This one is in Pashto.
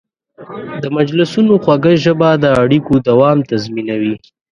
د مجلسونو خوږه ژبه د اړیکو دوام تضمینوي.